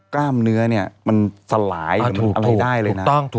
กล้ามเนื้อมันสลายมันอาจไม่ได้เลยนะ